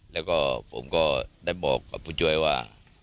แล้วก็ผมก็ได้บอกกับผู้ช่วยว่า